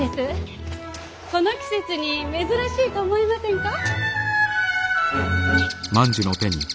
この季節に珍しいと思いませんか。